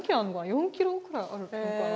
４キロくらいあるのかな？